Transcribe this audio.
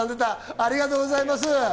ありがとうございます。